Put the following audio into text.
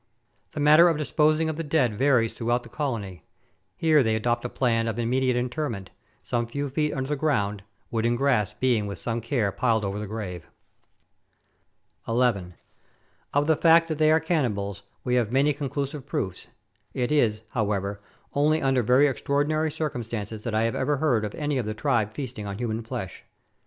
The manner of disposing of the dead varies throughout the colony ; here they adopt the plan of immediate interment, some few feet under ground, wood and grass being with some care piled over the grave. 11. Of the fact that they are cannibals, we have many con clusive proofs ; it is, however, only under very extraordinary circumstances that I have ever heard of any of their tribe feasting on human flesh.